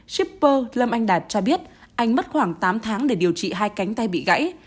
shipper lâm anh đạt cho biết anh mất khoảng tám tháng để điều trị hai cánh tay bị gãy